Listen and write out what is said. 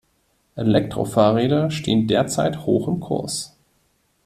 Elektrofahrräder stehen derzeit hoch im Kurs.